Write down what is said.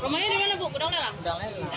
rumahnya dimana bu budang budang